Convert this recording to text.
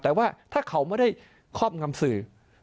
แต่ว่าถ้าเขาไม่ได้ครอบงำสื่อ